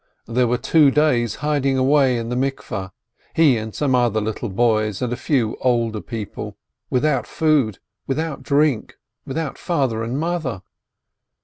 They were two days hiding away in the bath house — he and some other little boys and a few older people — without food, without drink, without Father and Mother.